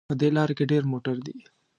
په دې لاره کې ډېر موټر دي